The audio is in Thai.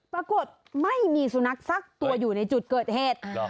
ปรากฏไม่มีสุนัขซักตัวอยู่ในจุดเกิดเหตุ